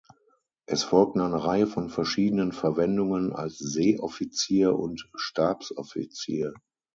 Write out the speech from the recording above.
Es folgten eine Reihe von verschiedenen Verwendungen als Seeoffizier und Stabsoffizier.